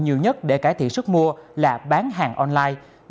nhiều nhất để cải thiện sức mua là bán hàng online